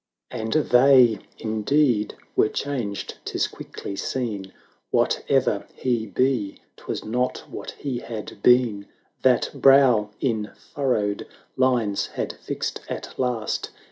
V. And they indeed were changed — 'tis quickly seen, Whate'er he be, 'twas not what he had been: That brow in furrowed lines had fixed at last.